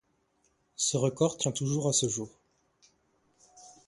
Ce record tient toujours à ce jour.